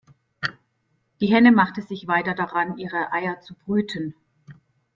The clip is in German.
Die Henne machte sich weiter daran, ihre Eier zu brüten.